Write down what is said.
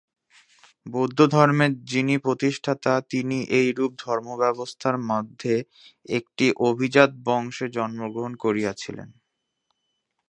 বৌদ্ধধর্মের যিনি প্রতিষ্ঠাতা, তিনি এইরূপ ধর্মব্যবস্থার মধ্যে একটি অভিজাত বংশে জন্মগ্রহণ করিয়াছিলেন।